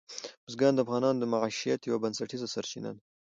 بزګان د افغانانو د معیشت یوه بنسټیزه سرچینه ده.